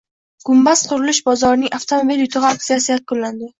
“Gumbaz” qurilish bozorining “Avtomobil yutug‘i” aksiyasi yakunlandi